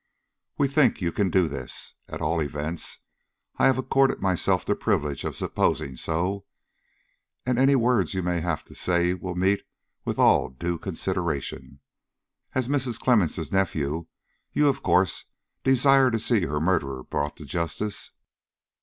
We think you can do this. At all events I have accorded myself the privilege of so supposing; and any words you may have to say will meet with all due consideration. As Mrs. Clemmens' nephew, you, of course, desire to see her murderer brought to justice."